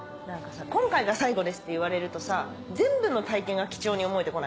今回が最後ですって言われるとさ全部の体験が貴重に思えてこない？